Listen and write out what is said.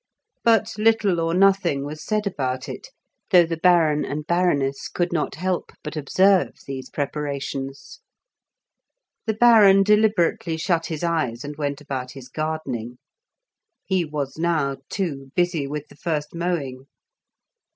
But little or nothing was said about it, though the Baron and Baroness could not help but observe these preparations. The Baron deliberately shut his eyes and went about his gardening; he was now, too, busy with the first mowing.